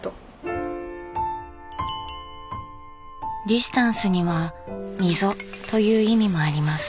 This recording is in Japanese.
ディスタンスには「溝」という意味もあります。